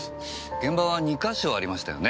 現場は２か所ありましたよね？